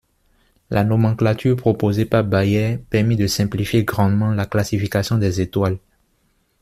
La nomenclature proposée par Bayer permit de simplifier grandement la classification des étoiles.